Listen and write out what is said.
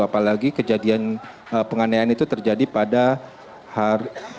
apalagi kejadian penganiayaan itu terjadi pada hari